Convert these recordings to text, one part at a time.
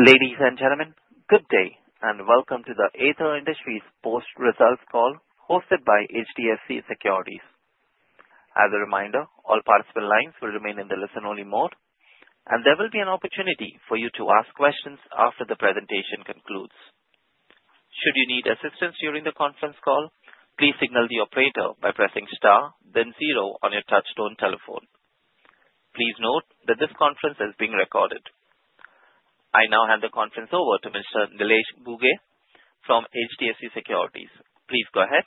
Ladies and gentlemen, good day and welcome to the Aether Industries Post Results Call hosted by HDFC Securities. As a reminder, all participant lines will remain in the listen-only mode, and there will be an opportunity for you to ask questions after the presentation concludes. Should you need assistance during the conference call, please signal the operator by pressing star, then zero on your touch-tone telephone. Please note that this conference is being recorded. I now hand the conference over to Mr. Nilesh Ghuge from HDFC Securities. Please go ahead.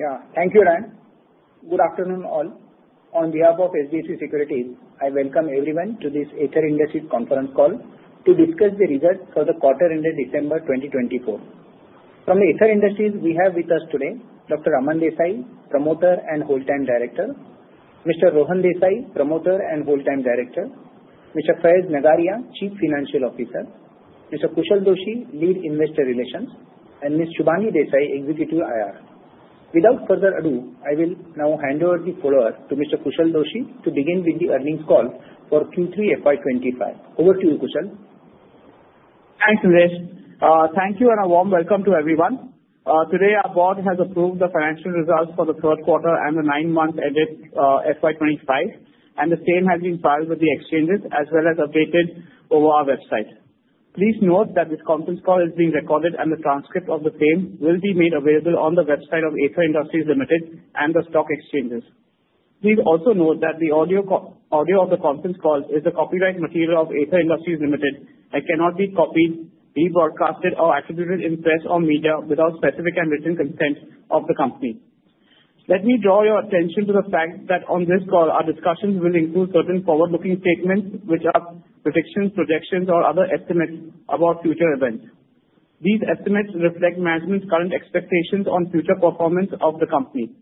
Yeah, thank you, Ryan. Good afternoon, all. On behalf of HDFC Securities, I welcome everyone to this Aether Industries conference call to discuss the results for the quarter-ending December 2024. From the Aether Industries, we have with us today Dr. Aman Desai, Promoter and Whole-time Director, Mr. Rohan Desai, Promoter and Whole-time Director, Mr. Faiz Nagariya, Chief Financial Officer; Mr. Kushal Doshi, Lead Investor Relations, and Ms. Shubhangi Desai, Executive IR. Without further ado, I will now hand over the floor to Mr. Kushal Doshi to begin with the earnings call for Q3 FY25. Over to you, Kushal. Thanks, Nilesh. Thank you and a warm welcome to everyone. Today, our board has approved the financial results for the third quarter and the nine months ended FY25, and the same has been filed with the exchanges as well as updated over our website. Please note that this conference call is being recorded, and the transcript of the same will be made available on the website of Aether Industries Limited and the stock exchanges. Please also note that the audio of the conference call is the copyright material of Aether Industries Limited and cannot be copied, rebroadcast, or attributed in press or media without specific and written consent of the company. Let me draw your attention to the fact that on this call, our discussions will include certain forward-looking statements which are predictions, projections, or other estimates about future events. These estimates reflect management's current expectations on future performance of the company.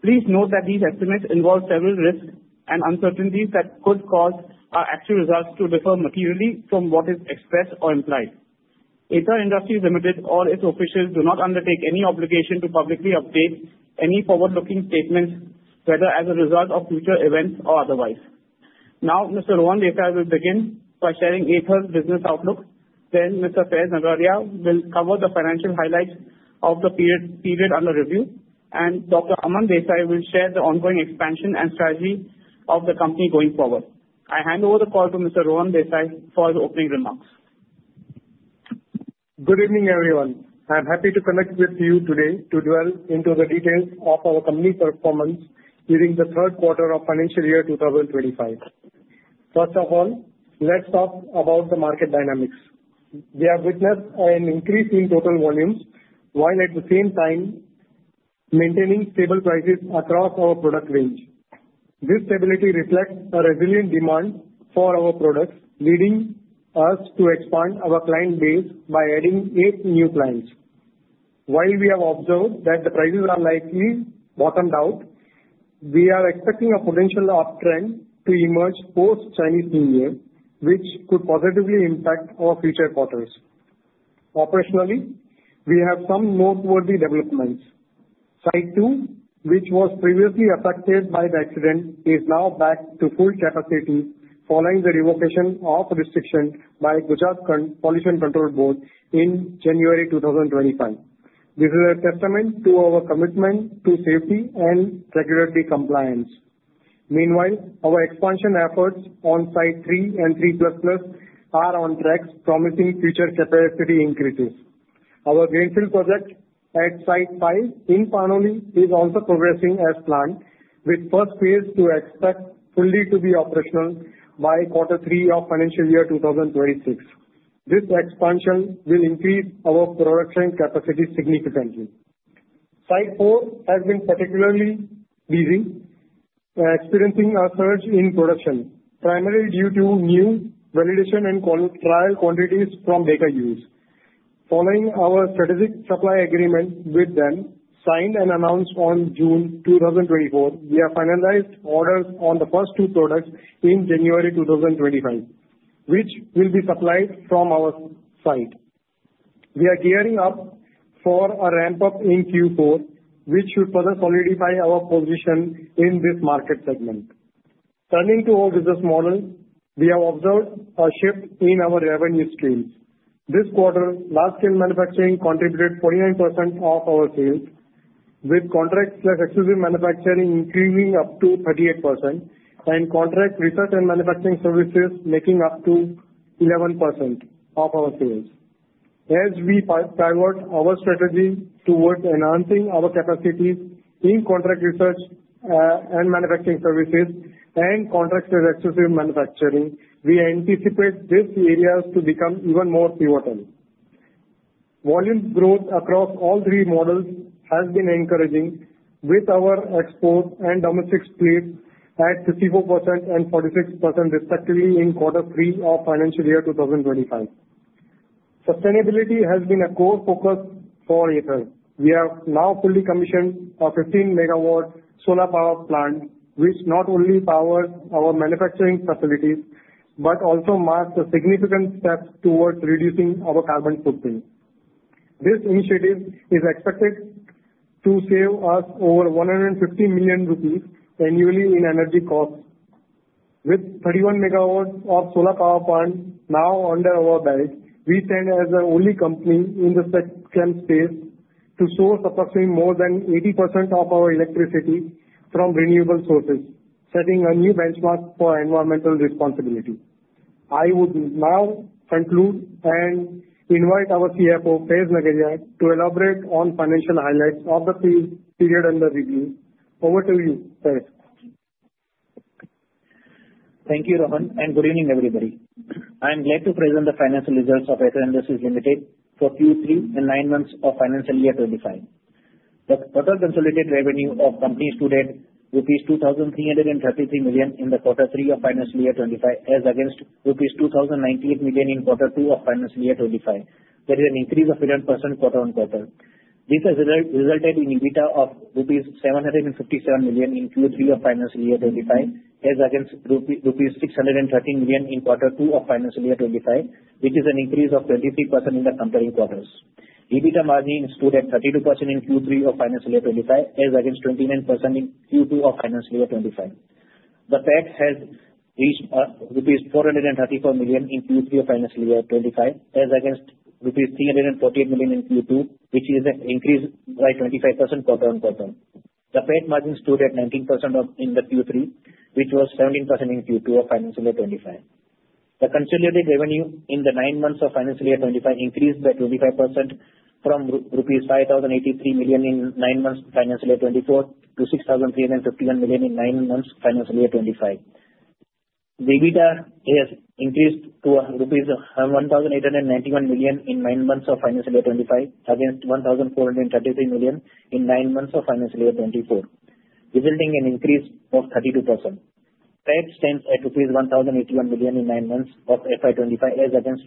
Please note that these estimates involve several risks and uncertainties that could cause our actual results to differ materially from what is expressed or implied. Aether Industries Limited, all its officials, do not undertake any obligation to publicly update any forward-looking statements, whether as a result of future events or otherwise. Now, Mr. Rohan Desai will begin by sharing Aether's business outlook. Then, Mr. Faiz Nagariya will cover the financial highlights of the period under review, and Dr. Aman Desai will share the ongoing expansion and strategy of the company going forward. I hand over the call to Mr. Rohan Desai for his opening remarks. Good evening, everyone. I'm happy to connect with you today to delve into the details of our company's performance during the third quarter of financial year 2025. First of all, let's talk about the market dynamics. We have witnessed an increase in total volumes while at the same time maintaining stable prices across our product range. This stability reflects a resilient demand for our products, leading us to expand our client base by adding eight new clients. While we have observed that the prices are likely bottomed out, we are expecting a potential uptrend to emerge post-Chinese New Year, which could positively impact our future quarters. Operationally, we have some noteworthy developments. Site 2, which was previously affected by the accident, is now back to full capacity following the revocation of restrictions by the Gujarat Pollution Control Board in January 2025. This is a testament to our commitment to safety and regulatory compliance. Meanwhile, our expansion efforts on Sites 3 and 3++ are on track, promising future capacity increases. Our greenfield project at Site 5 in Panoli is also progressing as planned, with the first phase expected to be fully operational by quarter three of financial year 2026. This expansion will increase our production capacity significantly. Site 4 has been particularly busy, experiencing a surge in production, primarily due to new validation and trial quantities from data use. Following our strategic supply agreement with them, signed and announced in June 2024, we have finalized orders on the first two products in January 2025, which will be supplied from our site. We are gearing up for a ramp-up in Q4, which should further solidify our position in this market segment. Turning to our business model, we have observed a shift in our revenue streams. This quarter, large-scale manufacturing contributed 49% of our sales, with contract/exclusive manufacturing increasing up to 38%, and contract research and manufacturing services making up to 11% of our sales. As we pivot our strategy towards enhancing our capacities in contract research and manufacturing services and contract/exclusive manufacturing, we anticipate these areas to become even more pivotal. Volume growth across all three models has been encouraging, with our export and domestic split at 54% and 46% respectively in quarter three of financial year 2025. Sustainability has been a core focus for Aether. We have now fully commissioned a 15-megawatt solar power plant, which not only powers our manufacturing facilities but also marks a significant step towards reducing our carbon footprint. This initiative is expected to save us over 150 million rupees annually in energy costs. With 31 megawatts of solar power plant now under our belt, we stand as the only company in this space to source approximately more than 80% of our electricity from renewable sources, setting a new benchmark for environmental responsibility. I would now conclude and invite our CFO, Faiz Nagariya, to elaborate on financial highlights of the period under review. Over to you, Faiz. Thank you, Rohan, and good evening, everybody. I am glad to present the financial results of Aether Industries Limited for Q3 and nine months of financial year 2025. The total consolidated revenue of the company today is rupees 2,333 million in quarter three of financial year 2025, as against rupees 2,098 million in quarter two of financial year 2025. There is an increase of 11% quarter-on-quarter. This has resulted in EBITDA of rupees 757 million in quarter three of financial year 2025, as against rupees 613 million in quarter two of financial year 2025, which is an increase of 23% in the comparing quarters. EBITDA margin is today 32% in Q3 of financial year 2025, as against 29% in Q2 of financial year 2025. The PAT has reached rupees 434 million in Q3 of financial year 2025, as against rupees 348 million in Q2, which is an increase by 25% quarter-on-quarter. The PAT margin is today 19% in Q3, which was 17% in Q2 of financial year 2025. The consolidated revenue in the nine months of financial year 2025 increased by 25% from rupees 5,083 million in nine months of financial year 2024 to 6,351 million in nine months of financial year 2025. The EBITDA has increased to 1,891 million in nine months of financial year 2025, against 1,433 million in nine months of financial year 2024, resulting in an increase of 32%. PAT stands at rupees 1,081 million in nine months of FY25, as against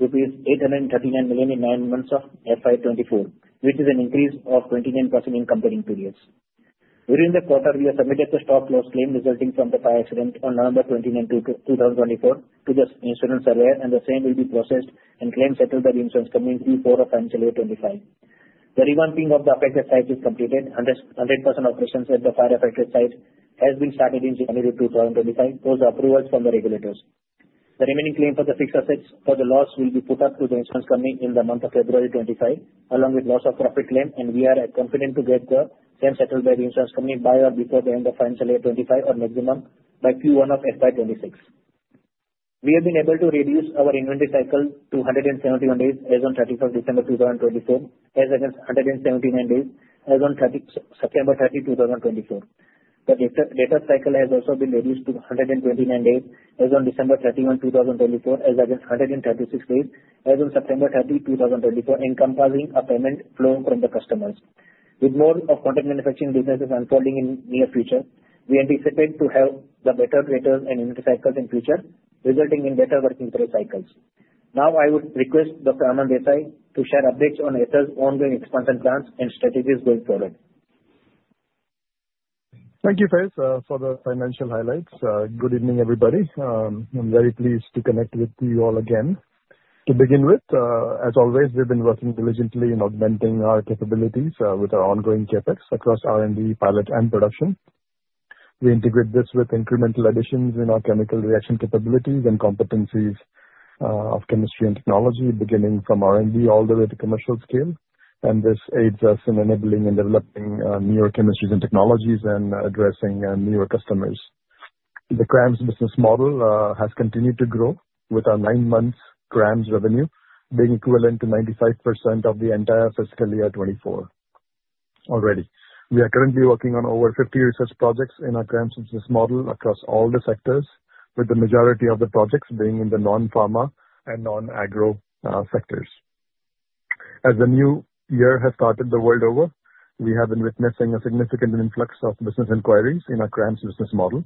rupees 839 million in nine months of FY24, which is an increase of 29% in comparable periods. During the quarter, we have submitted the stock loss claim resulting from the fire accident on November 29, 2024, to the insurance surveyor, and the same will be processed and claimed settled by the insurance company in Q4 of financial year 2025. The revamping of the affected site is completed, and 100% operations at the fire-affected site have been started in January 2025, with approvals from the regulators. The remaining claim for the fixed assets for the loss will be put up to the insurance company in the month of February 2025, along with the loss of profit claim, and we are confident to get the claim settled by the insurance company by or before the end of financial year 2025, or maximum by Q1 of FY26. We have been able to reduce our inventory cycle to 171 days as of December 31, 2024, as against 179 days as of September 30, 2024. The debtor cycle has also been reduced to 129 days as of December 31, 2024, as against 136 days as of September 30, 2024, encompassing a payment flow from the customers. With more contract manufacturing businesses unfolding in the near future, we anticipate to have better debtor and inventory cycles in the future, resulting in better working capital cycles. Now, I would request Dr. Aman Desai to share updates on Aether's ongoing expansion plans and strategies going forward. Thank you, Faiz, for the financial highlights. Good evening, everybody. I'm very pleased to connect with you all again. To begin with, as always, we've been working diligently in augmenting our capabilities with our ongoing CapEx across R&D, pilot, and production. We integrate this with incremental additions in our chemical reaction capabilities and competencies of chemistry and technology, beginning from R&D all the way to commercial scale, and this aids us in enabling and developing newer chemistries and technologies and addressing newer customers. The CRAMS business model has continued to grow, with our nine-months CRAMS revenue being equivalent to 95% of the entire fiscal year 2024 already. We are currently working on over 50 research projects in our CRAMS business model across all the sectors, with the majority of the projects being in the non-pharma and non-agro sectors. As the new year has started the world over, we have been witnessing a significant influx of business inquiries in our CRAMS business model.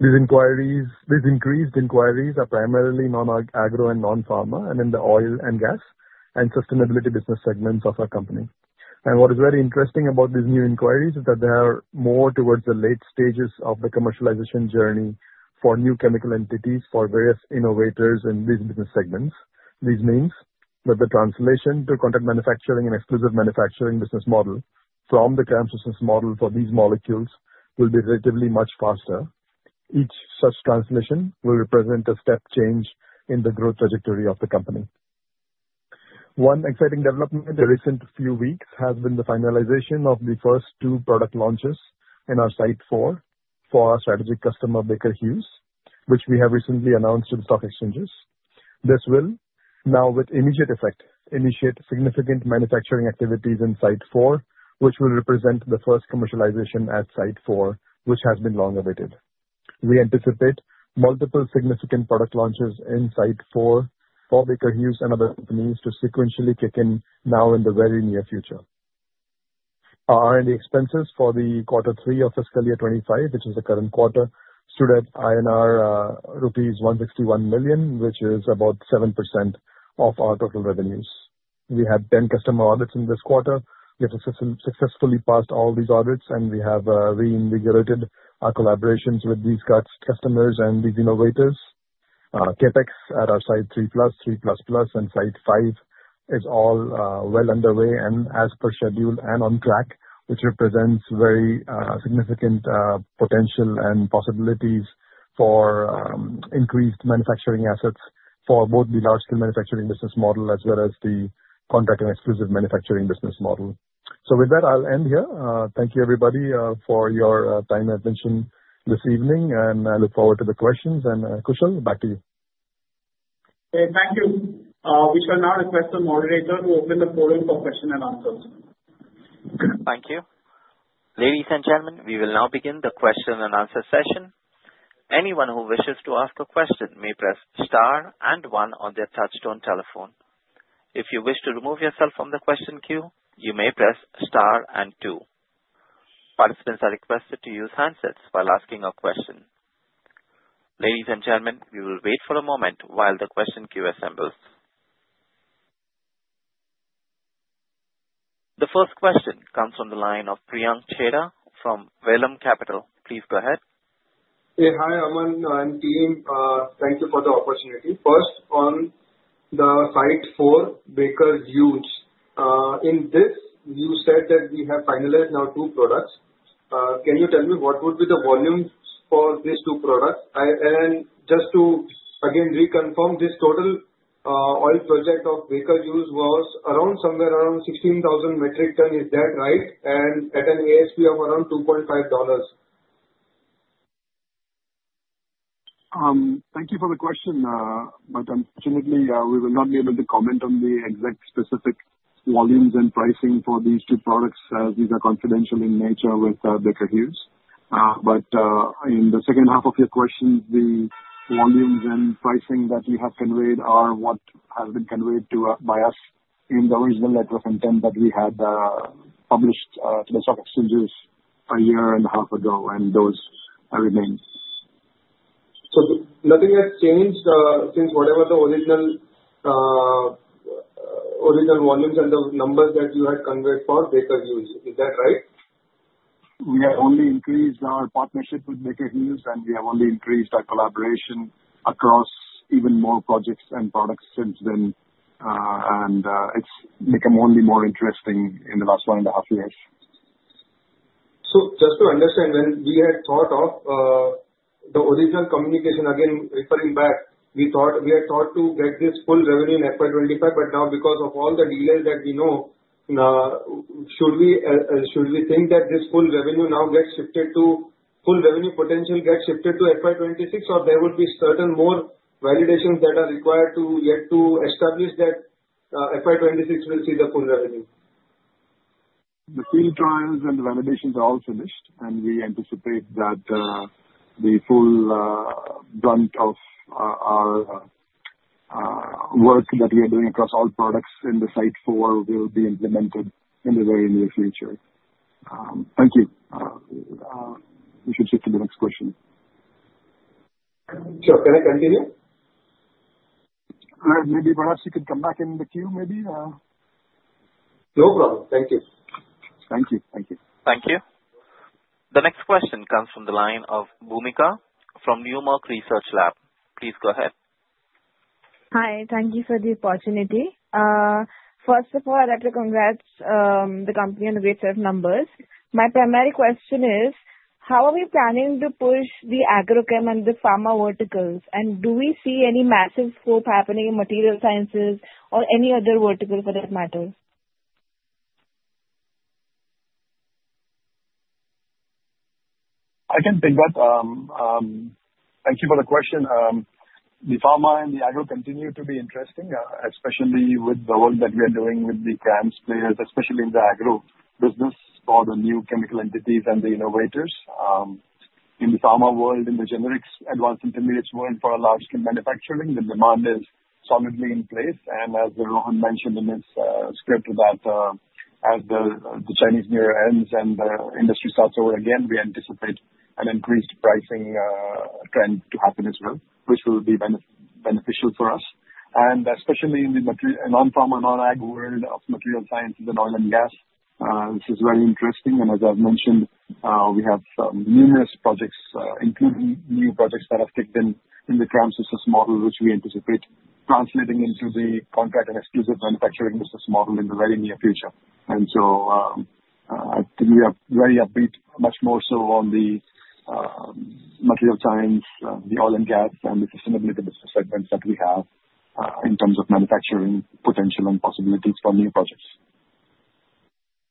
These increased inquiries are primarily non-agro and non-pharma and in the oil and gas and sustainability business segments of our company, and what is very interesting about these new inquiries is that they are more towards the late stages of the commercialization journey for new chemical entities for various innovators in these business segments. This means that the translation to contract manufacturing and exclusive manufacturing business model from the CRAMS business model for these molecules will be relatively much faster. Each such translation will represent a step change in the growth trajectory of the company. One exciting development in the recent few weeks has been the finalization of the first two product launches in our Site 4 for our strategic customer, Baker Hughes, which we have recently announced to the stock exchanges. This will now, with immediate effect, initiate significant manufacturing activities in Site 4, which will represent the first commercialization at Site 4, which has been long awaited. We anticipate multiple significant product launches in Site 4 for Baker Hughes and other companies to sequentially kick in now in the very near future. Our R&D expenses for the quarter three of fiscal year 2025, which is the current quarter, stood at rupees 161 million, which is about 7% of our total revenues. We had 10 customer audits in this quarter. We have successfully passed all these audits, and we have reinvigorated our collaborations with these customers and these innovators. CapEx at our Site 3+, 3++, and Site 5 is all well underway and as per schedule and on track, which represents very significant potential and possibilities for increased manufacturing assets for both the large-scale manufacturing business model as well as the contract and exclusive manufacturing business model. With that, I'll end here. Thank you, everybody, for your time and attention this evening, and I look forward to the questions. Kushal, back to you. Thank you. We shall now request the moderator to open the forum for questions and answers. Thank you. Ladies and gentlemen, we will now begin the question-and-answer session. Anyone who wishes to ask a question may press star and one on their touch-tone telephone. If you wish to remove yourself from the question queue, you may press star and two. Participants are requested to use handsets while asking a question. Ladies and gentlemen, we will wait for a moment while the question queue assembles. The first question comes from the line of Priyank Chheda from Vallum Capital. Please go ahead. Hi, Aman. I mean. Thank you for the opportunity. First, on the Site 4, Baker Hughes, in this, you said that we have finalized now two products. Can you tell me what would be the volumes for these two products? And just to again reconfirm, this total oil project of Baker Hughes was around somewhere around 16,000 metric tons, is that right? And at an ASP of around $2.5? Thank you for the question, but unfortunately, we will not be able to comment on the exact specific volumes and pricing for these two products as these are confidential in nature with Baker Hughes, but in the second half of your questions, the volumes and pricing that you have conveyed are what has been conveyed by us in the original letter of intent that we had published to the stock exchanges a year and a half ago, and those remain. So nothing has changed since whatever the original volumes and the numbers that you had conveyed for Baker Hughes, is that right? We have only increased our partnership with Baker Hughes, and we have only increased our collaboration across even more projects and products since then, and it's become only more interesting in the last one and a half years. Just to understand, when we had thought of the original communication, again referring back, we had thought to get this full revenue in FY25, but now because of all the delays that we know, should we think that this full revenue now gets shifted to full revenue potential gets shifted to FY26, or there will be certain more validations that are required yet to establish that FY26 will see the full revenue? The field trials and the validations are all finished, and we anticipate that the full brunt of our work that we are doing across all products in the Site 4 will be implemented in the very near future. Thank you. We should shift to the next question. Sure. Can I continue? Maybe perhaps you can come back in the queue, maybe. No problem. Thank you. Thank you. Thank you. Thank you. The next question comes from the line of Bhumika from Newmark Research Lab. Please go ahead. Hi. Thank you for the opportunity. First of all, I'd like to congratulate the company on the great set of numbers. My primary question is, how are we planning to push the agrochem and the pharma verticals? And do we see any massive scope happening in material sciences or any other vertical for that matter? I can pick that. Thank you for the question. The pharma and the agro continue to be interesting, especially with the work that we are doing with the CRAMS players, especially in the agro business for the new chemical entities and the innovators. In the pharma world, in the generics advanced intermediates world for large-scale manufacturing, the demand is solidly in place. And as Rohan mentioned in his script that as the Chinese year ends and the industry starts over again, we anticipate an increased pricing trend to happen as well, which will be beneficial for us. And especially in the non-pharma and non-ag world of material sciences and oil and gas, this is very interesting. And as I've mentioned, we have numerous projects, including new projects that have kicked in in the CRAMS business model, which we anticipate translating into the contract and exclusive manufacturing business model in the very near future. And so I think we are very upbeat, much more so on the material science, the oil and gas, and the sustainability business segments that we have in terms of manufacturing potential and possibilities for new projects.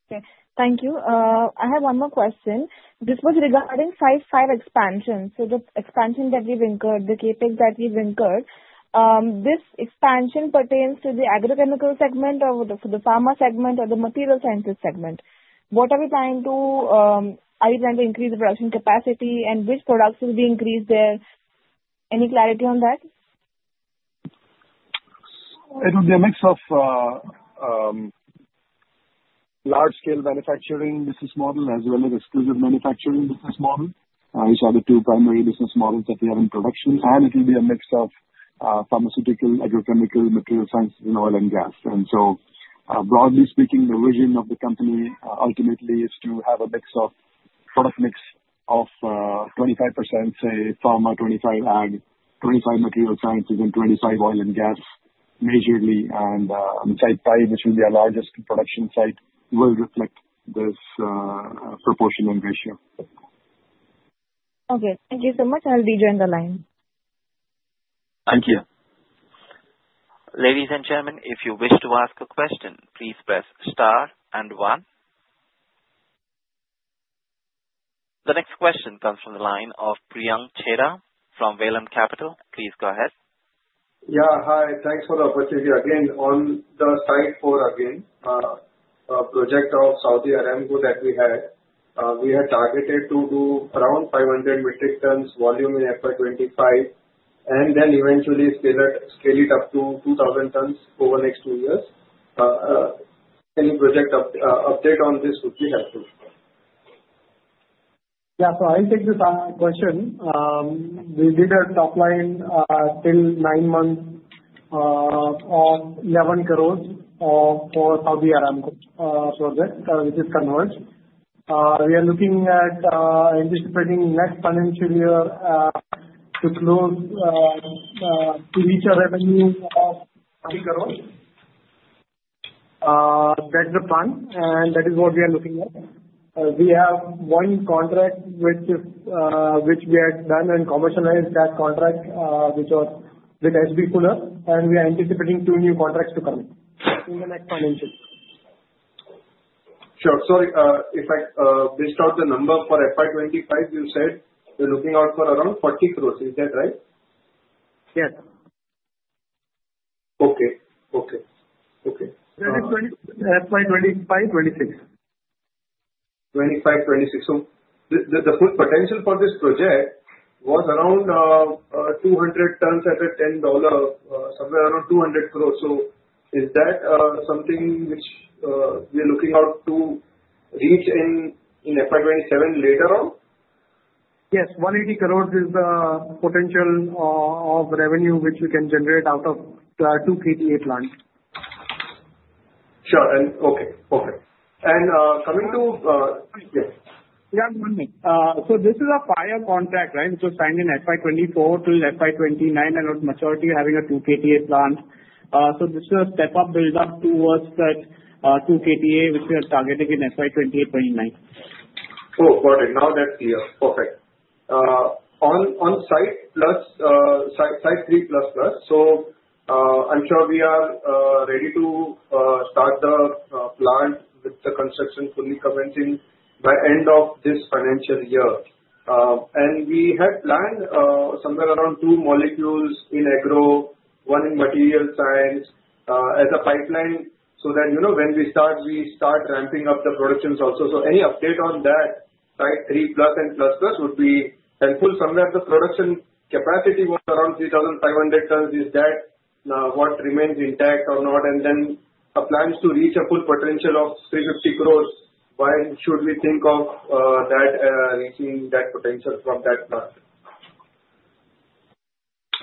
Okay. Thank you. I have one more question. This was regarding Site 5 expansion. So the expansion that we've anchored, the CapEx that we've anchored, this expansion pertains to the agrochemical segment or the pharma segment or the material sciences segment. What are we trying to? Are you trying to increase the production capacity, and which products will we increase there? Any clarity on that? It will be a mix of large-scale manufacturing business model as well as exclusive manufacturing business model, which are the two primary business models that we have in production. And it will be a mix of pharmaceutical, agrochemical, material sciences, and oil and gas. And so broadly speaking, the vision of the company ultimately is to have a mix of product mix of 25%, say, pharma, 25% ag, 25% material sciences, and 25% oil and gas majorly. And Site 5, which will be our largest production site, will reflect this proportion and ratio. Okay. Thank you so much. I'll be joined on the line. Thank you. Ladies and gentlemen, if you wish to ask a question, please press star and one. The next question comes from the line of Priyank Chheda from Vallum Capital. Please go ahead. Yeah. Hi. Thanks for the opportunity. Again, on the Site 4, a project of Saudi Aramco that we had targeted to do around 500 metric tons volume in FY25 and then eventually scale it up to 2,000 tons over the next two years. Any project update on this would be helpful. Yeah. So I'll take the question. We did a top line till nine months of 11 crores for Saudi Aramco project, which is Converge. We are looking at anticipating next financial year to reach a revenue of INR 20 crores. That's the plan, and that is what we are looking at. We have one contract which we had done and commercialized that contract, which was with H.B. Fuller, and we are anticipating two new contracts to come in the next financial. Sure. Sorry, if I missed out the number for FY25, you said we're looking out for around 40 crore. Is that right? Yes. Okay. Okay. Okay. That is 25, 26. FY25, FY26. So the full potential for this project was around 200 tons at a $10, somewhere around 200 crores. So is that something which we are looking out to reach in FY27 later on? Yes. 180 crores is the potential of revenue which we can generate out of our two KTA plants. Sure. Okay. Okay. And coming to, yeah. Yeah. One minute. So this is a prior contract, right, which was signed in FY24 till FY29, and at maturity, we're having a two KTA plant. So this is a step-up build-up towards that two KTA, which we are targeting in FY28, 29. Oh, got it. Now that's clear. Perfect. On Site 3++, so I'm sure we are ready to start the plant with the construction fully commencing by end of this financial year. And we had planned somewhere around two molecules in agro, one in material science as a pipeline so that when we start, we start ramping up the productions also. So any update on that Site 3+ and ++ would be helpful. Somewhere the production capacity was around 3,500 tons. Is that what remains intact or not? And then our plans to reach a full potential of 350 crores, when should we think of that reaching that potential from that plant?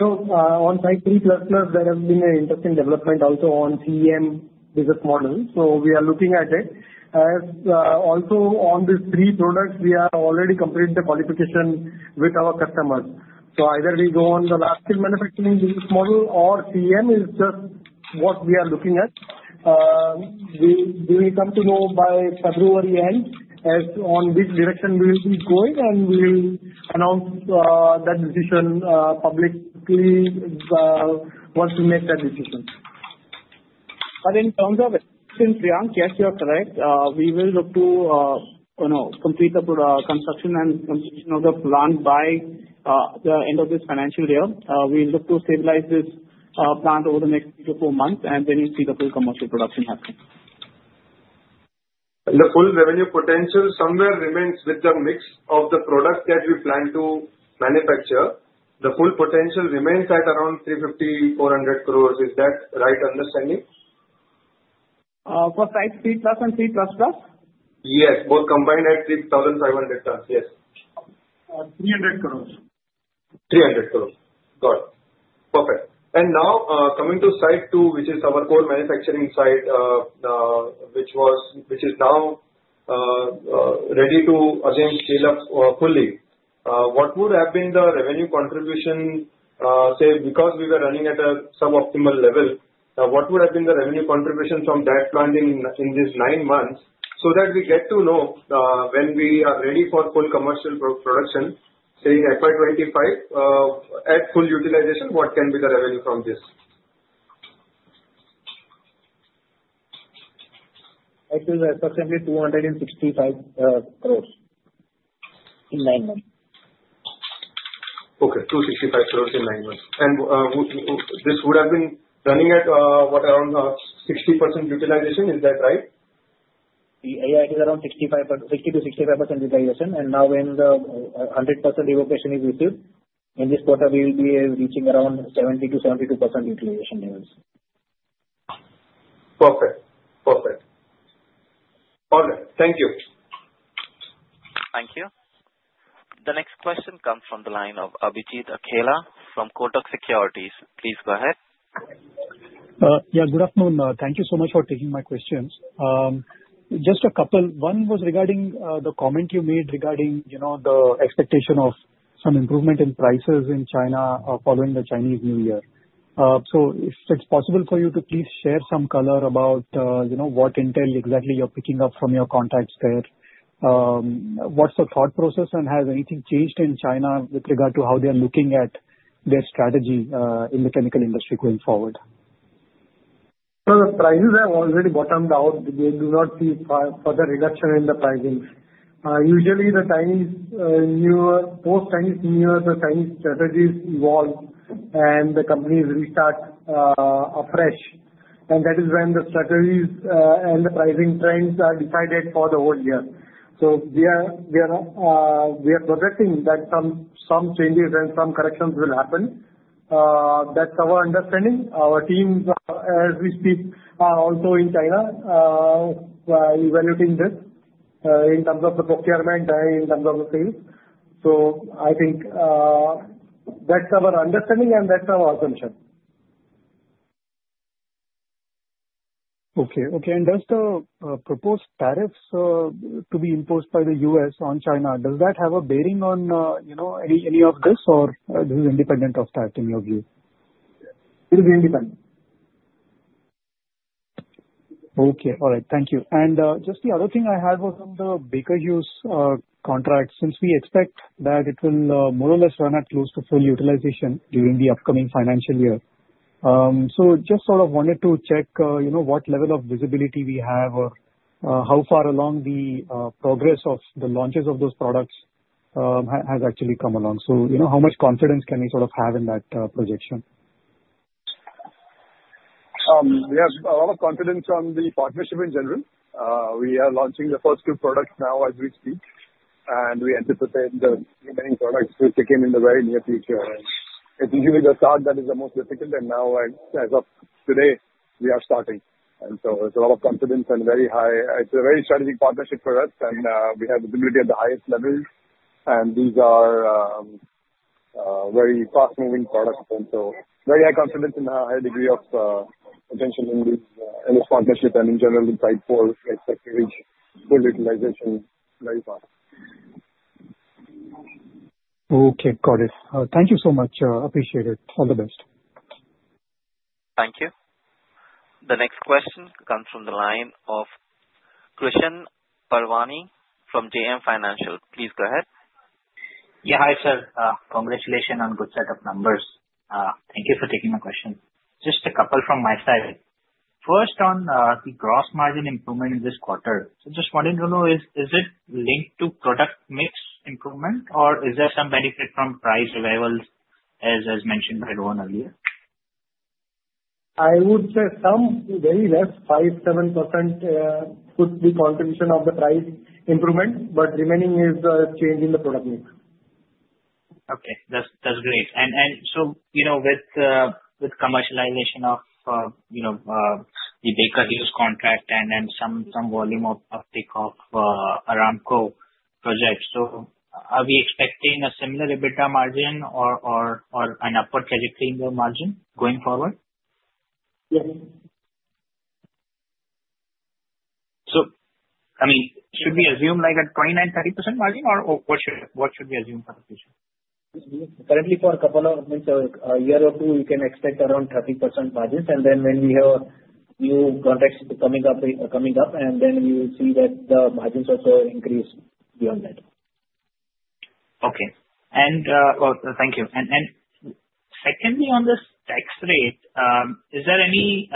On Site 3++, there has been an interesting development also on CEM business model. We are looking at it. Also, on these three products, we have already completed the qualification with our customers. Either we go on the large-scale manufacturing business model or CEM is just what we are looking at. We will come to know by February end as on which direction we will be going, and we will announce that decision publicly once we make that decision. But in terms of Priyank, yes, you're correct. We will look to complete the construction and completion of the plant by the end of this financial year. We'll look to stabilize this plant over the next three to four months, and then you see the full commercial production happen. The full revenue potential somewhere remains with the mix of the products that we plan to manufacture. The full potential remains at around 350-400 crores. Is that right understanding? For Site 3+ and 3++? Yes. Both combined at 3,500 tons. Yes. 300 crores. 300 crores. Got it. Perfect. And now coming to Site 2, which is our core manufacturing site, which is now ready to again scale up fully, what would have been the revenue contribution, say, because we were running at a sub-optimal level, what would have been the revenue contribution from that plant in these nine months so that we get to know when we are ready for full commercial production, say, FY25 at full utilization, what can be the revenue from this? It is approximately 265 crores in nine months. Okay. 265 crores in nine months. And this would have been running at what, around 60% utilization? Is that right? Yeah. It is around 60%-65% utilization, and now when the 100% revocation is received, in this quarter, we will be reaching around 70%-72% utilization levels. Perfect. Perfect. All right. Thank you. Thank you. The next question comes from the line of Abhijit Akella from Kotak Securities. Please go ahead. Yeah. Good afternoon. Thank you so much for taking my questions. Just a couple. One was regarding the comment you made regarding the expectation of some improvement in prices in China following the Chinese New Year. So if it's possible for you to please share some color about what intel exactly you're picking up from your contacts there. What's the thought process, and has anything changed in China with regard to how they are looking at their strategy in the chemical industry going forward? So the prices have already bottomed out. They do not see further reduction in the pricing. Usually, the Chinese New Year, post-Chinese New Year, the Chinese strategies evolve, and the companies restart afresh. And that is when the strategies and the pricing trends are decided for the whole year. So we are projecting that some changes and some corrections will happen. That's our understanding. Our teams, as we speak, are also in China evaluating this in terms of the procurement and in terms of the sales. So I think that's our understanding, and that's our assumption. Does the proposed tariffs to be imposed by the U.S. on China, does that have a bearing on any of this, or this is independent of that in your view? It will be independent. Okay. All right. Thank you, and just the other thing I had was on the Baker Hughes contract, since we expect that it will more or less run at close to full utilization during the upcoming financial year, so just sort of wanted to check what level of visibility we have or how far along the progress of the launches of those products has actually come along, so how much confidence can we sort of have in that projection? We have a lot of confidence on the partnership in general. We are launching the first few products now as we speak, and we anticipate the remaining products will kick in in the very near future. And it's usually the start that is the most difficult. And now, as of today, we are starting. And so it's a lot of confidence and very high. It's a very strategic partnership for us, and we have visibility at the highest levels. And these are very fast-moving products. And so very high confidence and a high degree of attention in this partnership and in general in Site 4, expecting reach full utilization very fast. Okay. Got it. Thank you so much. Appreciate it. All the best. Thank you. The next question comes from the line of Krishan Parwani from JM Financial. Please go ahead. Yeah. Hi, sir. Congratulations on good set of numbers. Thank you for taking my question. Just a couple from my side. First, on the gross margin improvement in this quarter, I just wanted to know, is it linked to product mix improvement, or is there some benefit from price revisals as mentioned by Rohan earlier? I would say some. Very less, 5%-7% could be contribution of the price improvement, but the remaining is changing the product mix. Okay. That's great. And so with commercialization of the Baker Hughes contract and some volume of takeoff Aramco projects, so are we expecting a similar EBITDA margin or an upward trajectory in the margin going forward? Yes. So I mean, should we assume like a 29%-30% margin, or what should we assume for the future? Currently, for a couple of months, a year or two, we can expect around 30% margins, and then when we have new contracts coming up, and then we will see that the margins also increase beyond that. Okay. And thank you. And secondly, on the tax rate, is there any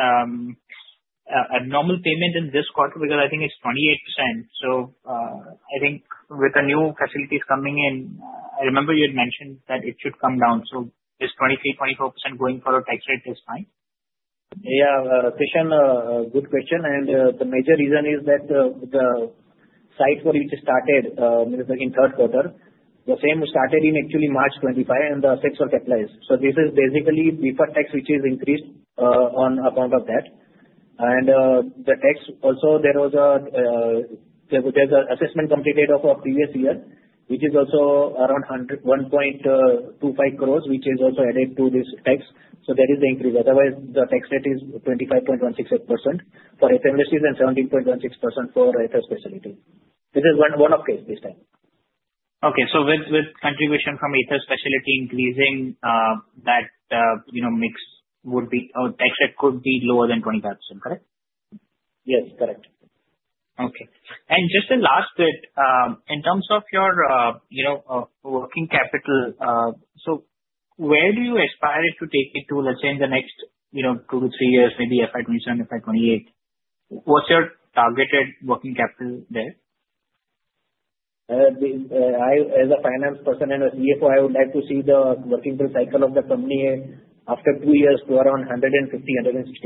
abnormal payment in this quarter? Because I think it's 28%. So I think with the new facilities coming in, I remember you had mentioned that it should come down. So is 23%-24% going for a tax rate this time? Yeah. Krishan, good question. And the major reason is that the site for which it started in third quarter, the same started in actually March 2025, and the assets were capitalized. So this is basically before tax, which is increased on account of that. And the tax also, there was an assessment completed of our previous year, which is also around 1.25 crores, which is also added to this tax. So that is the increase. Otherwise, the tax rate is 25.168% for Aether residues and 17.16% for Aether Speciality. This is one of the cases this time. Okay. So with contribution from Aether specialty increasing, that mix would be or tax rate could be lower than 25%. Correct? Yes. Correct. Okay. And just the last bit, in terms of your working capital, so where do you aspire to take it to, let's say, in the next two to three years, maybe FY27, FY28? What's your targeted working capital there? As a finance person and a CFO, I would like to see the working cycle of the company after two years to around 150-160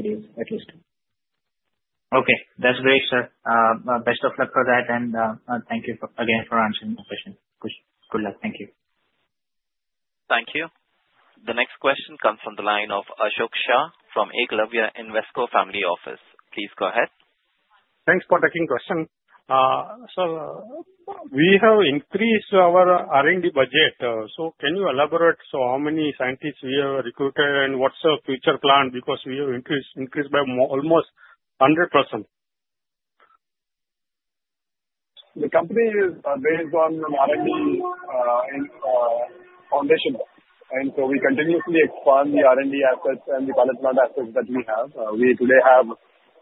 days at least. Okay. That's great, sir. Best of luck for that, and thank you again for answering my question. Good luck. Thank you. Thank you. The next question comes from the line of Ashok Shah from Eklavya Invesco Family Office. Please go ahead. Thanks for taking the question. So we have increased our R&D budget. So can you elaborate how many scientists we have recruited and what's the future plan because we have increased by almost 100%? The company is based on R&D foundation. So we continuously expand the R&D assets and the pilot plant assets that we have. We today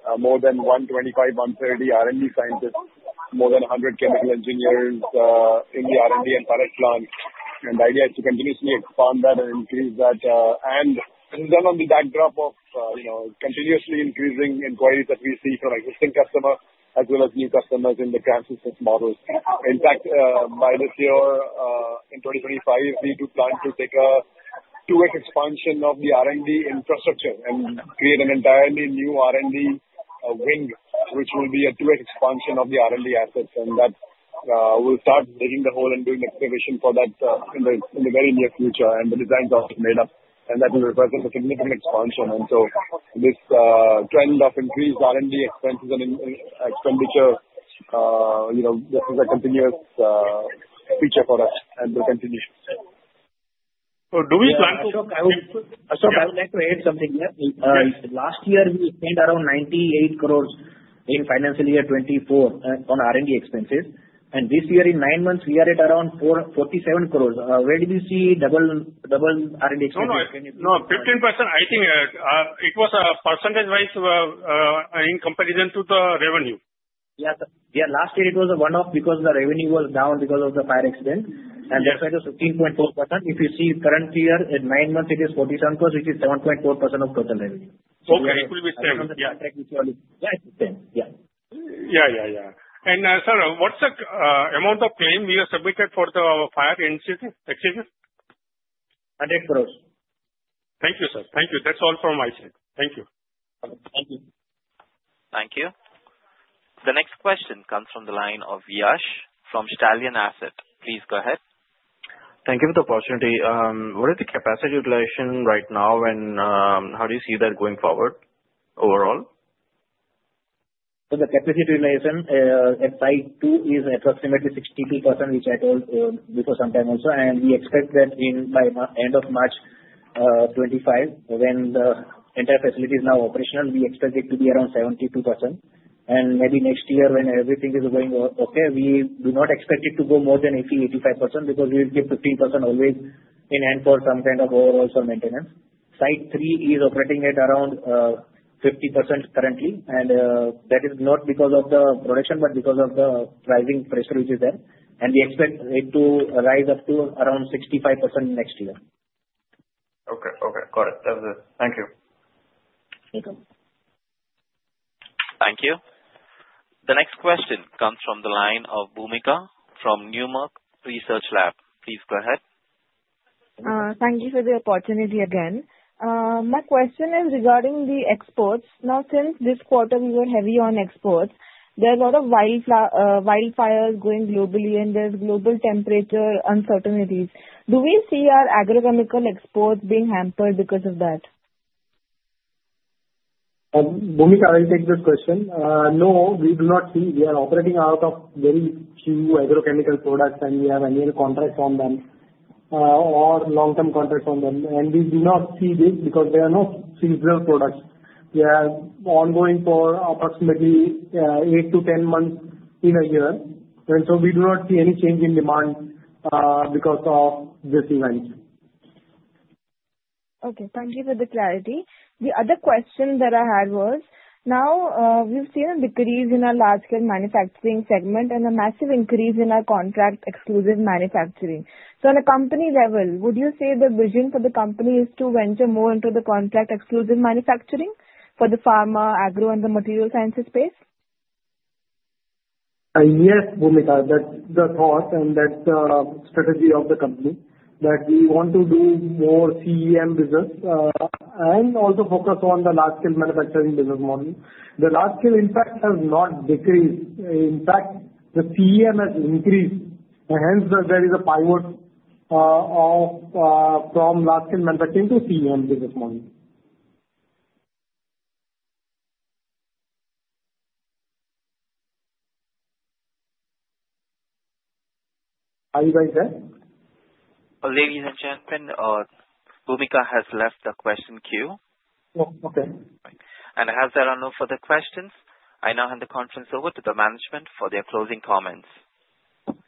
have more than 125-130 R&D scientists, more than 100 chemical engineers in the R&D and pilot plant. The idea is to continuously expand that and increase that. This is done on the backdrop of continuously increasing inquiries that we see from existing customers as well as new customers in the transition models. In fact, by this year, in 2025, we do plan to take a two-way expansion of the R&D infrastructure and create an entirely new R&D wing, which will be a two-way expansion of the R&D assets. That will start digging the hole and doing the excavation for that in the very near future. The designs are made up. That will represent a significant expansion. And so this trend of increased R&D expenses and expenditure, this is a continuous feature for us and will continue. So do we plan to? Ashok, I would like to add something here. Last year, we spent around 98 crores in financial year 2024 on R&D expenses, and this year, in nine months, we are at around 47 crores. Where did we see double R&D expenses? No, no. 15%, I think it was a percentage-wise in comparison to the revenue. Yeah, sir. Yeah. Last year, it was a one-off because the revenue was down because of the fire accident, and that's why it was 15.4%. If you see current year, in nine months, it is 47 crores, which is 7.4% of total revenue. Okay. It will be the same. Yeah. Yeah. It's the same. Yeah. Yeah, yeah, yeah. And sir, what's the amount of claim we have submitted for the fire incident? Excuse me? 100 crores. Thank you, sir. Thank you. That's all from my side. Thank you. Thank you. Thank you. The next question comes from the line of Yash from Stallion Asset. Please go ahead. Thank you for the opportunity. What is the capacity utilization right now, and how do you see that going forward overall? So the capacity utilization at Site 2 is approximately 62%, which I told before sometime also, and we expect that by the end of March 2025, when the entire facility is now operational, we expect it to be around 72%, and maybe next year, when everything is going okay, we do not expect it to go more than 80-85% because we will keep 15% always in hand for some kind of overall maintenance. Site 3 is operating at around 50% currently, and that is not because of the production, but because of the pricing pressure, which is there, and we expect it to rise up to around 65% next year. Okay. Okay. Got it. Thank you. You too. Thank you. The next question comes from the line of Bhumika from Newmark Research. Please go ahead. Thank you for the opportunity again. My question is regarding the exports. Now, since this quarter, we were heavy on exports, there are a lot of wildfires going globally, and there's global temperature uncertainties. Do we see our agrochemical exports being hampered because of that? Bhumika, I'll take this question. No, we do not see. We are operating out of very few agrochemical products, and we have annual contracts on them or long-term contracts on them. And we do not see this because they are not seasonal products. They are ongoing for approximately eight to 10 months in a year. And so we do not see any change in demand because of this event. Okay. Thank you for the clarity. The other question that I had was, now we've seen a decrease in our large-scale manufacturing segment and a massive increase in our contract-exclusive manufacturing. So on a company level, would you say the vision for the company is to venture more into the contract-exclusive manufacturing for the pharma, agro, and the material sciences space? Yes, Bhumika, that's the thought, and that's the strategy of the company, that we want to do more CEM business and also focus on the large-scale manufacturing business model. The large-scale, in fact, has not decreased. In fact, the CEM has increased. And hence, there is a pivot from large-scale manufacturing to CEM business model. Are you guys there? Ladies and gentlemen, Bhumika has left the question queue. Oh, okay. As there are no further questions? I now hand the conference over to the management for their closing comments. Thank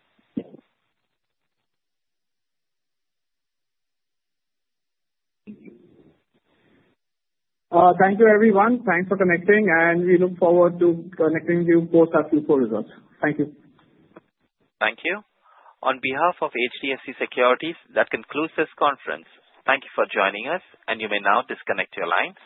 you. Thank you, everyone. Thanks for connecting, and we look forward to connecting you both as usual results. Thank you. Thank you. On behalf of HDFC Securities, that concludes this conference. Thank you for joining us, and you may now disconnect your lines.